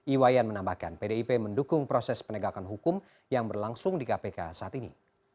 iwayan menambahkan pdip mendukung proses penegakan hukum yang berlangsung di kpk saat ini